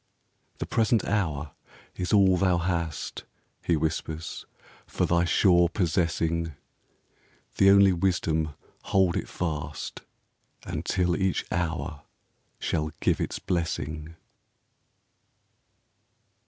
"The present hour is all thou hast," He whispers, " for thy sure possessing ! The only wisdom, hold it fast, Until each hour shall give its blessing."